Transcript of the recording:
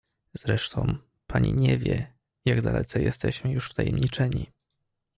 "Zresztą, pani nie wie, jak dalece jesteśmy już wtajemniczeni“."